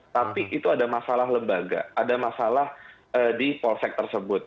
tapi itu ada masalah lembaga ada masalah di polsek tersebut